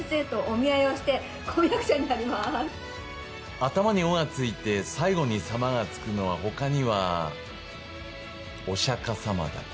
頭に「お」がついて最後に「様」がつくのはほかにはお釈迦様だけ。